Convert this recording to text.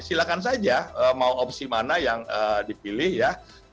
silahkan saja mau opsi mana yang dipilih ya